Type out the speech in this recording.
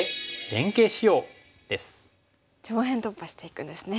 上辺突破していくんですね。